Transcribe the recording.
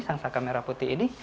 sang saka merah putih ini